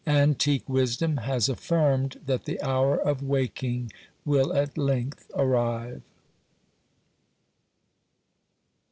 Antique wisdom has affirmed that the hour of waking will at length arrive.